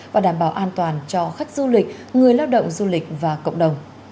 và đảm bảo an toàn cho khách du lịch người lao động du lịch và cộng đồng